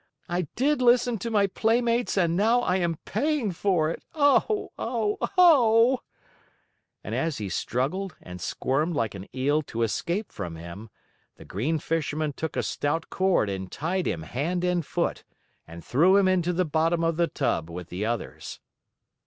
I did listen to my playmates and now I am paying for it! Oh! Oh! Oh!" And as he struggled and squirmed like an eel to escape from him, the Green Fisherman took a stout cord and tied him hand and foot, and threw him into the bottom of the tub with the others.